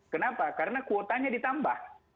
kenapa karena kuotanya ditambah